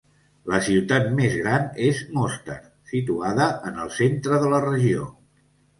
La ciutat més gran és Mostar, situada en el centre de la regió.